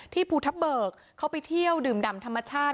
ภูทับเบิกเขาไปเที่ยวดื่มดำธรรมชาติ